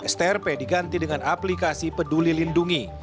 strp diganti dengan aplikasi peduli lindungi